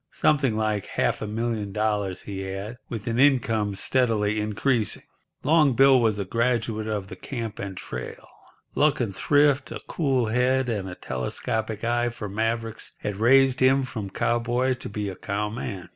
Something like half a million dollars he had, with an income steadily increasing. Long Bill was a graduate of the camp and trail. Luck and thrift, a cool head, and a telescopic eye for mavericks had raised him from cowboy to be a cowman.